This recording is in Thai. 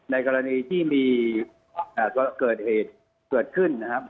ในกรณีที่มีเกิดเหตุเกิดขึ้นนะครับ